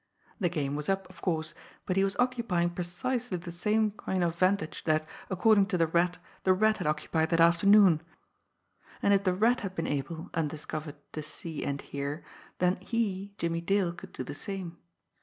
The game was up, of course, but he was occupying precisely the same coign of vantage that, according to the Rat, the Rat had occupied that afternoon, and if the Rat had been able, undiscovered, to see and hear, then he, Jimmie Dale, could do the same.